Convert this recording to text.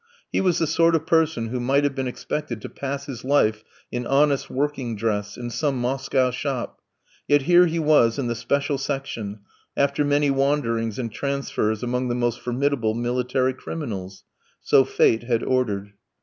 He was the sort of person who might have been expected to pass his life in honest working dress, in some Moscow shop, yet here he was in the "special section," after many wanderings and transfers among the most formidable military criminals; so fate had ordered.